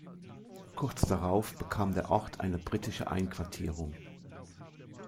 Kurz darauf bekam der Ort eine britische Einquartierung.